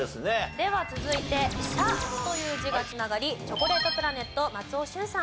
では続いて「社」という字が繋がりチョコレートプラネット松尾駿さん。